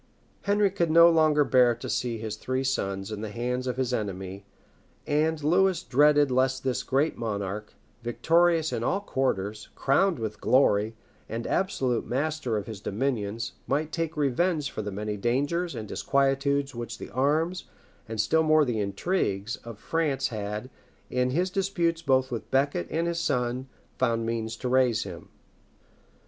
Henry could no longer bear to see his three sons in the hands of his enemy; and Lewis dreaded lest this great monarch, victorious in all quarters, crowned with glory, and absolute master of his dominions, might take revenge for the many dangers and disquietudes which the arms, and still more the intrigues, of France had, in his disputes both with Becket and his sons, found means to raise him.